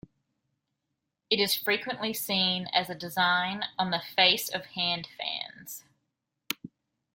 It is frequently seen as a design on the face of hand fans.